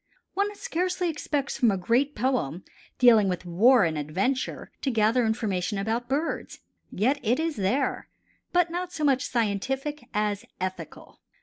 One scarcely expects from a great poem, dealing with war and adventure, to gather information about birds. Yet it is there, but not so much scientific as ethical.